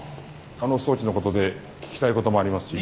あの装置の事で聞きたい事もありますし。